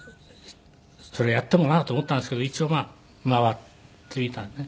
それやってもなと思ったんですけど一応回ってみたんですね。